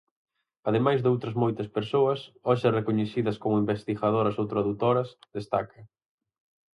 Ademais doutras moitas persoas, hoxe recoñecidas como investigadoras ou tradutoras, destaca.